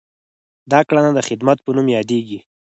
دا کړنه د خدمت په نوم یادیږي.